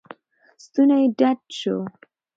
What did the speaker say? ستونی یې ډډ شو.